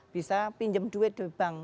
bisa pinjam duit ke bank